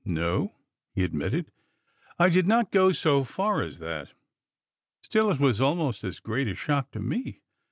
"No," he admitted, "I did not go so far as that. Still, it was almost as great a shock to me.